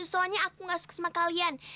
soalnya aku gak suka sama kalian